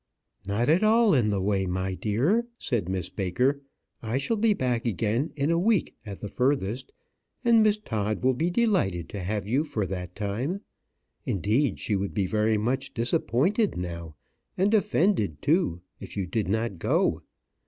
"Not at all in the way, my dear," said Miss Baker; "I shall be back again in a week at the furthest, and Miss Todd will be delighted to have you for that time. Indeed, she would be very much disappointed now, and offended too if you did not go.